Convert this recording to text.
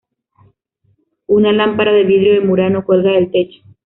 Una lámpara de vidrio de Murano cuelga del techo.